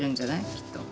きっと。